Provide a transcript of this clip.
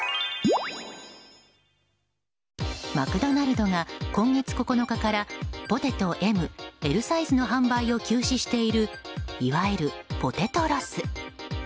マクドナルドが今月９日からポテトＭ、Ｌサイズの販売を休止しているいわゆるポテトロス。